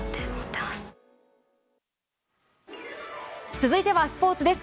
続いてはスポーツです。